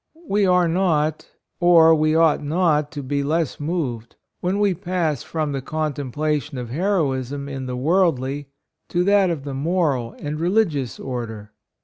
We are not or we ought not to be less moved, when we pass from the contempla tion of heroism in the worldly to that of the moral and religious or der.